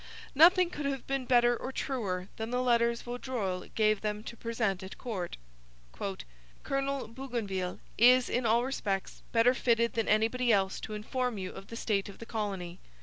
Nothing could have been better or truer than the letters Vaudreuil gave them to present at court. 'Colonel Bougainville is, in all respects, better fitted than anybody else to inform you of the state of the colony.